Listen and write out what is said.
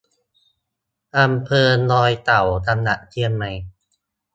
อำเภอดอยเต่า จังหวัดเชียงใหม่